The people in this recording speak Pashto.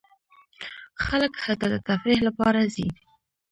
خلک هلته د تفریح لپاره ځي.